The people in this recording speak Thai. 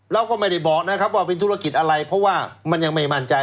เราก็ไม่ได้บอกนะครับว่าเป็นธุรกิจอะไรเพราะว่ามันยังไม่มั่นใจ